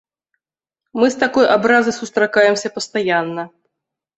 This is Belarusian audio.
Мы з такой абразай сустракаемся пастаянна.